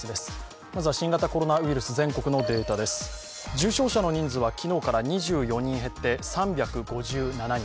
重症者の人数は昨日から２４人減って３５７人。